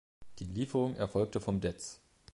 Die Lieferung erfolgte vom Dez.